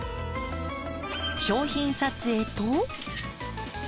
商品撮影と。